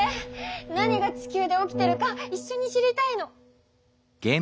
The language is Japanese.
何が地球で起きてるかいっしょに知りたいの。